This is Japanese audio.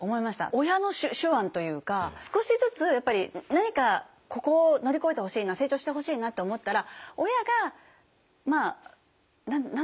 親の手腕というか少しずつ何かここを乗り越えてほしいな成長してほしいなって思ったら親が与えるって思わせないで与えて。